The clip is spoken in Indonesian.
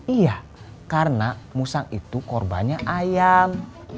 iya karena musang itu korbannya ayam